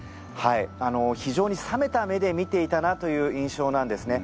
非常に冷めた目で見ていたなという印象なんですね。